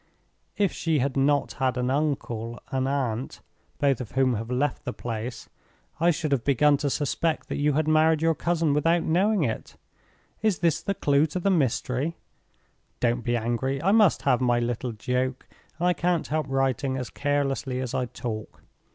If she had not had an uncle and aunt (both of whom have left the place), I should have begun to suspect that you had married your cousin without knowing it! Is this the clue to the mystery? Don't be angry; I must have my little joke, and I can't help writing as carelessly as I talk.